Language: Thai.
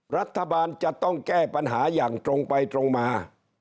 รัฐบาลจะต้องแก้ปัญหาอย่างตรงไปตรงมา